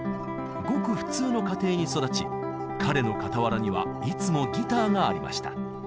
ごく普通の家庭に育ち彼の傍らにはいつもギターがありました。